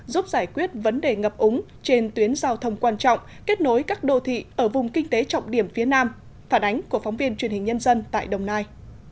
giúp giải quyết vấn đề ngập úng trên tuyến giao thông quan trọng kết nối các đô thị ở vùng kinh tế trọng điểm phía nam phản ánh của phóng viên truyền hình nhân dân tại đồng nai